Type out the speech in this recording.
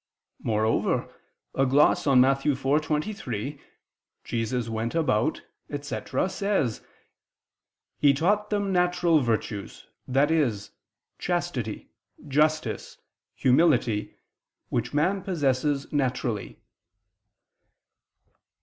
Moreover, a gloss on Matt. 4:23, "Jesus went about," etc., says: "He taught them natural virtues, i.e. chastity, justice, humility, which man possesses naturally."